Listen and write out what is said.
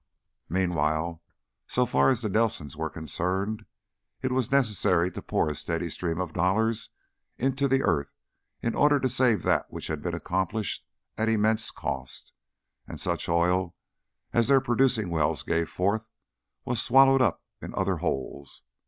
Meanwhile, so far as the Nelsons were concerned, it was necessary to pour a steady stream of dollars into the earth in order to save that which had been accomplished at immense cost, and such oil as their producing wells gave forth was swallowed up in other holes.